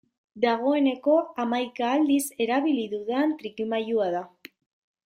Dagoeneko hamaika aldiz erabili dudan trikimailua da.